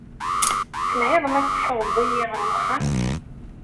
Telhiḍ ma tessawḍeḍ-iyi ar uxxam.